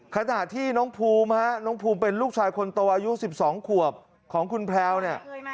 ขณะที่น้องภูมิฮะน้องภูมิเป็นลูกชายคนโตอายุ๑๒ขวบของคุณแพลวเนี่ย